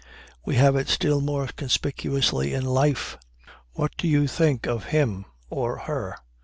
We have it still more conspicuously in life. What do you think of him, or her?